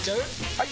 ・はい！